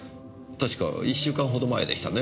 確か１週間ほど前でしたね。